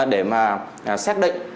để mà xác định